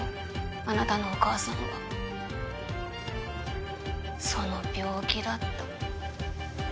あなたのお母さんはその病気だった。